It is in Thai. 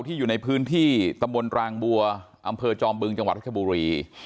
อยู่ในพื้นที่ตำบลรางบัวอำเภอจอมบึงจังหวัดรัชบุรี